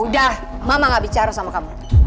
udah mama gak bicara sama kamu